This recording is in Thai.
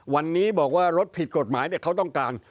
วันนี้บอกว่ารถผิดกฎหมายเขาต้องการ